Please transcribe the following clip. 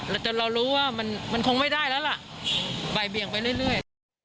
แล้วจนเรารู้ว่ามันมันคงไม่ได้แล้วล่ะแบ่ยเบียงไปเรื่อยเรื่อย